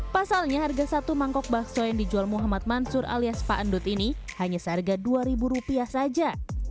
pasalnya harga satu mangkok bakso yang dijual muhammad mansur alias pak endut ini hanya seharga rp dua saja